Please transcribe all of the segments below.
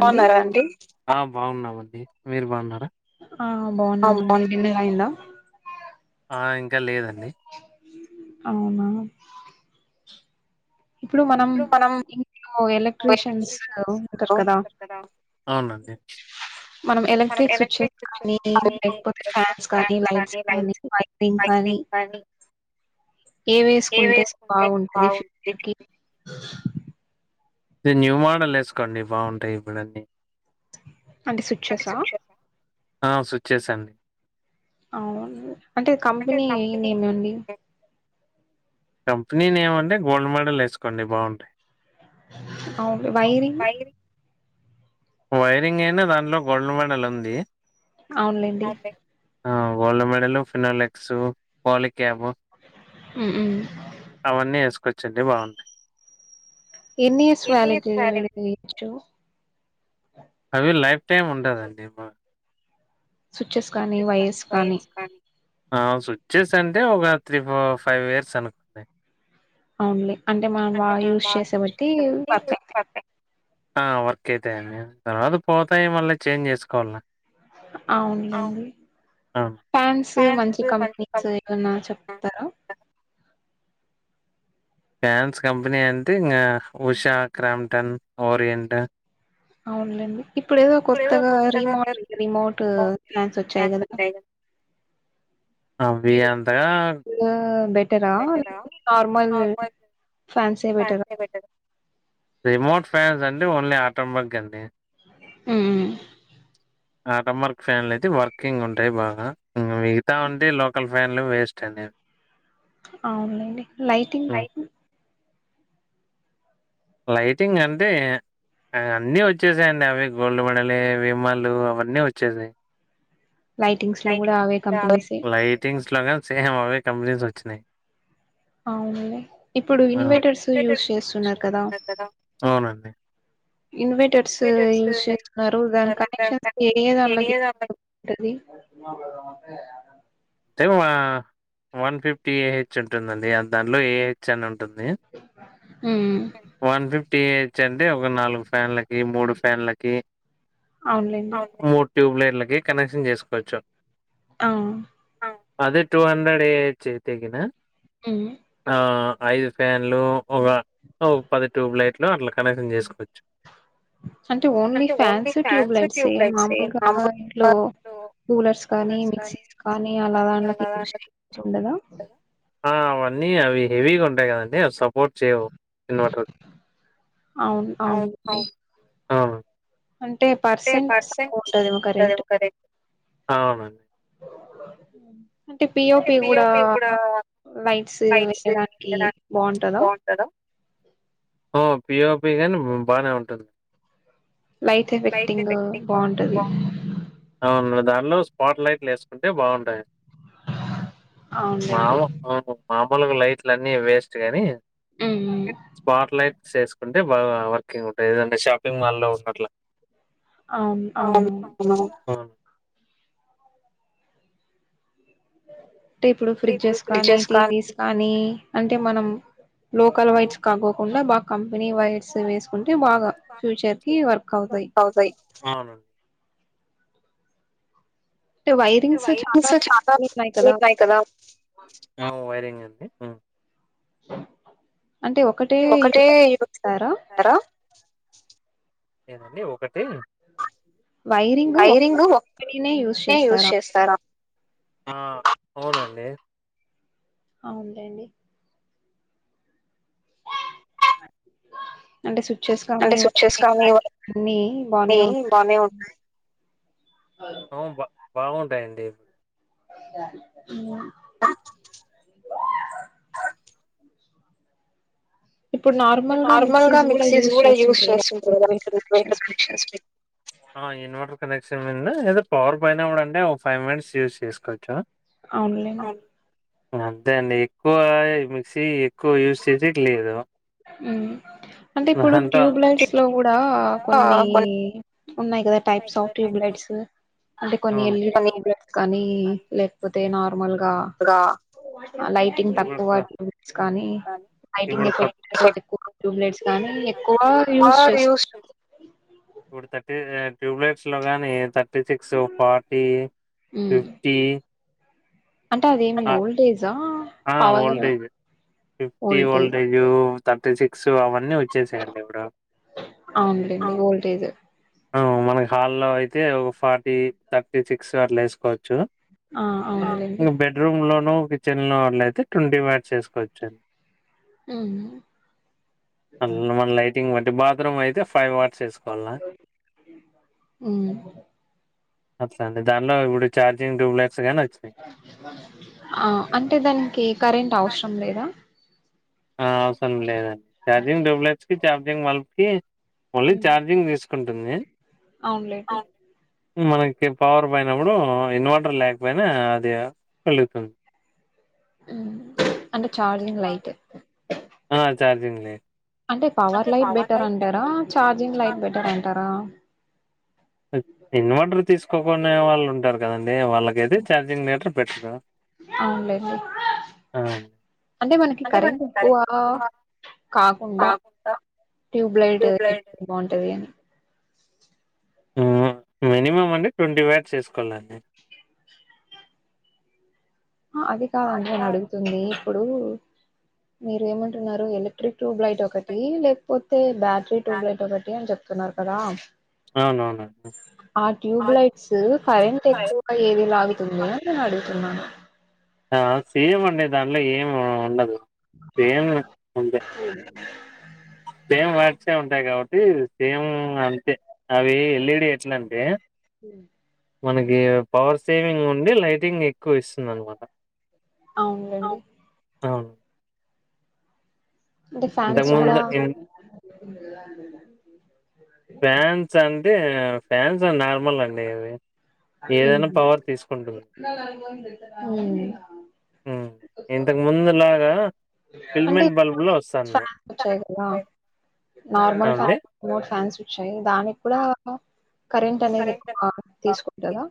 బాన్నారా అండి ఆ బాగున్నామండి మీరు బాగున్నారా ఆ బాగున్నామ్ అండి డిన్నర్ అయిందా ఆ ఇంకా లేదండి డి అవునా ఇప్పుడు మనం ఇంట్లో ఎలక్ట్రీషియన్స్ ఉంటరు కదా మనం ఎలక్ట్రిక్ స్విచెస్ కానీ లేకపోతే ఫ్యాన్స్ కానీ లైట్స్ కానీ వైరింగ్ కానీ ఏ వేసుకుంటే బాగుంటది ఫ్యూచర్ కి టే న్యూ మోడల్ వేసుకోండి బాగుంటాయి ఇప్పుడన్నీ అంటే స్విచ్చేసా ఆ స్విచ్చేస్ అండి అవును అంటే కంపెనీ నేమేమండి కంపెనీ నేమ్ అంటే గోల్డ్ మోడల్ ఏసుకోండి బాగుంటాయ్ అవును వైరింగ్ వైరింగ్ అయినా దాంట్లో గోల్డ్ మోడల్ ఉంది. అవును లేండి ఆ gold medal Finolex Polycab అవన్నీ ఏసుకోచ్ షెడ్డే బాగుం ఎన్ని ఇయర్స్ వాలంర్టీ ఇవ్వగలుగుతుంది అవి లైఫ్ టైమ్ ఉండదండి బ స్విచ్చెస్ కానీ వైర్స్ కానీ ఆ స్విచ్చెస్ అంటే ఒక త్రీ ఫోర్ ఫైవ్ ఇయర్స్ అనుకోండి ఓన్లీ అంటే మనం బా యూస్ చేసే బట్టి వర్క్ ఐది ఆ వర్క్ అయితాయండి తర్వాత పోతాయి మళ్ళీ చేంజ్ చేసుకోవాల ఆ ఉందండి ఫ్యాన్స్ మంచి కంపెనీస్ ఏవన్నా చెప్తారా ఫ్యాన్స్ కంపెనీ అంటే ఇంకా ఉషా క్రామ్టన్ ఓరియంట్ అవునులేండి ఇప్పుడు కొత్తగా రి మోట్ రిమోట్ ఫ్యాన్స్ వచ్చాయి కదా అవి అంతగా బెటరా [unintelligible] నార్మల్ ఫ్యాన్ ఫ్యాన్సే బెటరు రిమోట్ ఫ్యాన్స్ అండి ఓన్లీ ఆటోమగ్ అండి ఉమ్ ఆటోంమర్గ్ ఫ్యాన్లయితే వర్కింగ్ ఉంటాయి బాగా మిగతా ఉంటే లోకల్ ఫ్యాన్లు వేస్ట్ అండి అవున్లెండి లైటింగ్ లైటింగ్ అంటే అ అన్నీ వచ్చేసాయండి అవి గోల్డ్ మోడలే విమలు అవన్నీ వచ్చేసాయి లైటింగ్స్ లో కాద్ సేమ్ అవే కంపెనీస్ వచ్చినయి అవునులే ఇప్పుడు ఇన్వర్టర్స్ యూస్ చేస్తున్నారు కదా అవునండి ఇన్వర్టర్స్ యూస్ చేస్తున్నారు దాని కనెక్షన్స్ ఏ ఏ దానిలోకి [unintelligible] ఉంటది అంటే వన్ ఫిఫ్టీ ఏహెచ్ ఉంటుందండి దానిలో ఏహెచ్ అని ఉం ఉంటుంది వన్ ఫిఫ్టీ ఎ వచ్చండి ఒక నాలుగు ఫ్యాన్లకి మూడు ఫ్యాన్లకి అవునులేండి ట్యూబ్లైట్లకి కనెక్షన్ చేసుకోవచ్చు ఆ అదే టూ హండ్రెడ్ ఏహెచ్ అయితే గాన ఆ ఐదు ఫ్యాన్లు ఓగా ఓగ పది ట్యూబ్లైట్ అట్లా కనెక్షన్ చేసుకోవచ్చు అంటే ఓన్లీ ఫ్యాన్స ట్యూబ్లైట్స్ మామూలుగా ఇంట్లో కూలర్స్ కానీ మిక్సీస్ కానీ అలాదాన్లకి ఇస్టిట్యూట్ ఉండదా ఆ అవన్నీ అవి హెవీగా ఉంటాయి కదండి అవి సపోర్ట్ చేయవు అవును అవునుండి అవున అంటే పర్సెంటేజ్ తక్కువ ఉంటందిమో కరెంట్ అవునండి అంటే పిఓపి కూడా లైట్స్ వేయేడానికి బాంటదా ఓ పిఓపి గాని బానే ఉంటది లైట్ ఎఫెక్టింగ్ బాంటది లో స్పాట్ లైట్లు లేసుకుంటే బాగుంటాయి మా మ మా లకు లైట్లు అన్నీ వేస్ట్ గాని హ్మ్ ఉ స్పాట్ లైట్స్ వేసుకుంటే బాగా వర్కింగ్ ఉంటాది ఏదంటే షాపింగ్ మాల్ లో ఉన్నట్ల అవునువును అంటే ఇప్పుడు ఫ్రిడ్జెస్ కానీ టీవీస్ కానీ అంటే మనం లోకల్ వైడ్స్ కాకోకుండా బాగా కంప మినీ వైర్స్ వేస్కు అంటే బాగా ఫ్యూచర్ కి వర్క్ అవుతాయి అవునండి వైరింగ్స్ చాలా ఉన్నయ్ కదా ఆ వైరింగ్ అంటే ఒకటే ఇవస్తారా ఏనండి ఒకటి వైరింగ్ [unintelligible] చేస్తారా అవునండి అవున్లేండి అంటే స్విచస్ కానీ ఇవ అన్ని బానే ఉంటాయి అవు బా బాగుంటాయ డేవు అ నార్మల్ గా మిక్సీస్ కూడా యూస్ చేస్తుంటారు కదా బయట ఆ సిమ్మిన్ ఏదో పవర్ పైన కూడా అంటే ఒక ఫైవ్ మినిట్స్ యూజ్ చేసుకోవచ్చు అవును అంతే అండి ఎక్కువ మిక్సీ ఎక్కువ యూజ్ చేసేకి లేదు ఉమ్ అంటే ఇప్పుడు ట్యూబ్లైట్స్ లో కూడా కొన్ని ఉన్నాయి కదా టైప్స్ ఆఫ్ ట్యూబ్లైట్స్ అంటే కొన్ని ఎల్ ఈ డి ట్యూబ్లైట్స్ కానీ లేకపోతే నార్మల్ గా లైటింగ్ తక్కువ ట్యూబ్లట్స్ కానీ లైటింగ్ ఎఫెక్ట్ ఎక్కువ ట్యూబ్లైట్స్ కానీ ఎక్కువ యూస్ చేస్తు ఇప్పుడు థర్టీ ట్యూబ్లైట్స్ లో గాని thirty six forty fifty అంటే అదేమి ఓల్టేజా పవర్ వోల్టేజ్ థర్టీ సిక్స్ లో వ అవునులేండి ఓల్టేజ్ మనకి హాల్లో అయితే ఒక ఫార్టీ, థర్టీ సిక్స్ అట్లా వేసుకోవచ్చు ఆ బెడ్రూమ్ లోను చిన్నోళ్ళు అయితే ట్వంటీ మ్యాడ్స్ వేసుకోవచ్చు మ్ హ్ బాత్రూమ్ అయితే ఫైవ్ అవర్స్ వేసుకో మళ్ళా హ్మ్మ్ అట్లా అండి దానిలో ఇప్పుడు చార్జింగ్ ఆ అంటే దానికి కరెంట్ అవసరం లేదా ఆ అవసరం లేదండి ఛార్జింగ్ డ్యూప్లెట్స్ కి ఛార్జింగ్ మల్పు కి ఓన్లీ చార్జింగ్ తీసుకో కంటంది అవునులెండి మనకి పవర్ పోయినప్పుడు ఇన్వర్టర్ లేకపోయినా అది వెలుగుతుంది అంటే చార్జింగ్ లైట్ చార్జింగ్ లే అంటే పవర్ లైట్ బెటర్ అంటారా ఛార్జింగ్ లైట్ బెటర్ అంటారా ఇన్వర్టర్ తీసుకోకునే వాళ్ళు ఉంటారు కదండి వాళ్ళకైతే ఛార్జింగ్ టర్ పెట్గా అవునులేండి అంటే మనకి కరెంట్ ఎక్కువ కాకుండా ట్యూబ్లైట్ బాగుంటది అని మినిమం అంటే ట్వంటీ ఫైట్స్ చేసుకోవాలండి అది కాదంకని అడుగుతుంది ఇప్పుడు మీరు ఏమంటున్నారు ఎలక్ట్రిక్ ట్యూబ్ లైట్ ఒకటి లేకపోతే బ్యాటర ట్యూబ్లైట్ ఒకటి అని చెప్ప సన్నారు కదా ఆ ట్యూబ్ లైట్స్ కరెంట్ ఎక్కువ ఏది లాగుతుంది అని నేను అడు న్నా ఆ సీజ అండి దాంట్లో ఏం ఉండదు అ అ సేమ్ వా్యాట్సే ఉంటాయి కాబట్టి సేమ్ అంతే అవి ఎల్ఈడి ఎట్లాంటే హ మనకి పవర్ సేవింగ్ ఉండి లైటింగ్ ఎక్కువ ఇస్తుంది అనమాట అవునులేండి అవును అంటే ఫ్యాన్స్ కూడా ఇ అ ఫ్యాన్స్ అంటే ఫ్యాన్స్ అండి అది ఏదైనా పవర్ తీసుకుంటుంది. హా ఇంతకు ముందులాగా అంటే ఫ్యాన్ వచ్చాయి కదా నార్మల్ ఫ్యాన్ ఫ్యాన్స్ వచ్చాయి దానికి కూడా కరెంట్ అనేది ఎక్కువ తీసుకుంటుందా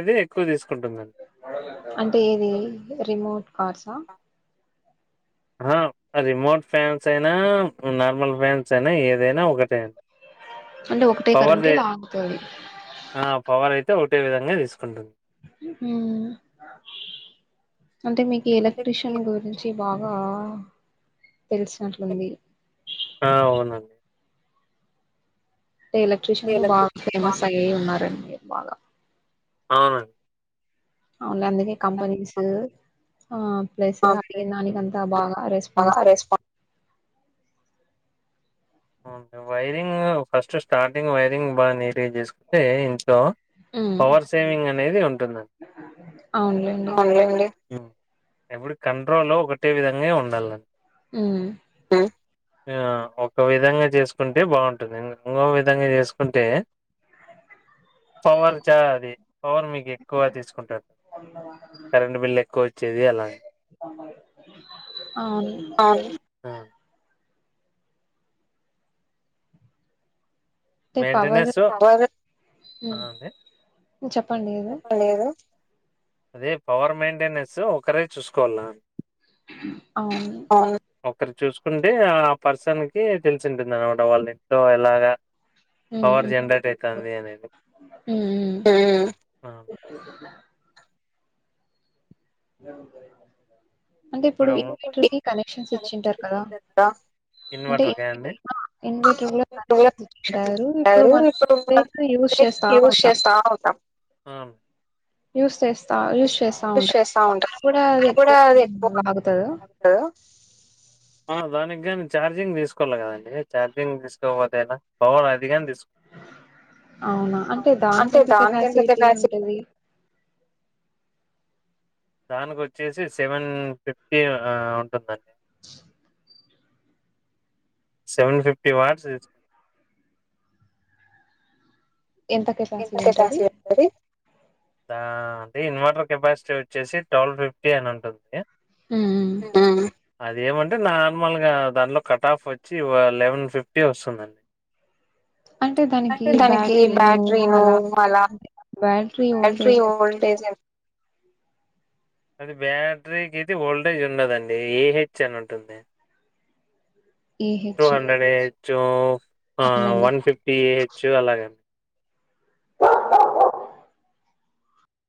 అది ఎక్కువ తీసుకు అంటే ఏది రిమోట్ హర్సా ఆ రిమోట్ ఫ్యాన్స్ అయినా నార్మల్ ఫ్యాన్స్ అయినా ఏదైనా ఒకటే అంటే ఒకటే కరంటే లాగతది అయితే ఒకటే విధంగా తీసుకుంటుంది హ్మ్మ్ అంటే మీకు ఎలక్ట్రిషియన్ గురించి బాగా తెలిసినట్లుంది అే ఎలక్ట్ర్రిషియన్లు బాగా ఫేమస్ అయ్య ఉన్నారుారండి నేన్బగా అవునన్ అవునందుకే కంపెనీస్ ఆ ప్లస్ అడిగిందానికి అంత బాగా రెస్పాన్స్ ముందు వైరింగ్ ఫస్ట్ స్టార్టింగ్ వైరింగ్ బాగా నే నేర్చ్సుకుంటే ఇంట్లో పవర్ సేవింగ్ అనేది ఉంటుంది అవునులే ఎప్పుడు కంట్రోల్లో ఒకటే విధంగే ఉండాలా హు ఆ ఓకే ఒక విధంగా చేసుకుంటే బాగుంటుంది ఇంకో విధంగా చేసుకుంటే పవర్ చా అది పవర్ మీకు ఎక్కువ తీసుకుంటుంది కరెంట్ బిల్ ఎక్కువ వచ్చేది అలా పామాయిల్ అవును మెయింటెనెన్సు అలాగే అవునండీ చెప్పండి ఎదో అదే పవర్ మెయింటెనెన్స్ ఒకరే చూసుకోవల్ల అవును ఒకరు చూసుకుంటే ఆ పర్సన్ కి తెలిసి ఉంటుంది అనమాట వాళ్ళ ఇంట్లో ఎలాగా పవర్ జనరేట్ అయితంది అనేది హ్మ్మ్ అ ఎలాగుంటాయి అంటే ఇప్పుడు ఇన్వెటర్ కి కనెక్షన్స్ ఇచ్చింటారు కదా అంటే ఇన్వెటర్ కూడా కనెక్షన్ ఇచ్చింటారు ఇప్పుడు మనం ఇన్వెటర్ యూస్ చేస్తా ఉంటాం యూస్ చేస్తా యూజ్ చేస్తా ఉంటాం సౌండ్ పవర్ కూడ ఎక్కువ లాగుతంటద ఆ దానికి కానీ ఛార్జింగ్ తీసుకోవల్ల కదండి ఛార్జింగ్ తీసుకోకపోతే‌ యెలా పవర్ అదిగాని తీసు అవునా అంటే దానికి ఎంత కెపాసిటీ ఉంటుంది దానికి వచ్చేసి సెవెన్ ఫిఫ్టీ ఆ ఉంటుందండి సెవెన్ ఫిఫ్టీ వాట్స్ తీసుకు ఎంత కెపాసిటీ ఉంటుంది అదా అంటే ఇన్వర్టర్ కెపాసిటీ వచ్చేసి ట్వల్ ఫిఫ్టీ అని ఉంటదండి అవునా అదేమంటే నార్మల్గా దాంట్లో కట ఆఫ్ వచ్చి ఓ లెవెన్ ఫిఫ్టీ వస్తుందండి అంటే దానికి బ్యాటరీను అలా బ్యాటరీ ఓల్టేజ్ ఎ అది బ్యాటరీకి అయితే వోల్టేజ్ ఉన్నదండి ఏహెచ్ అని ఉంటుంది టూ హండ్రెడ్ ఏ చో ఆ వన్ ఫిఫ్టీ హెచ్ అలాగండి [inaudible]